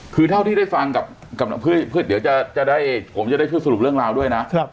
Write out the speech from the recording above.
คือเท่าที่ได้ฟังกับเดี๋ยวจะผมจะได้ช่วยสรุปเรื่องราวด้วยนะ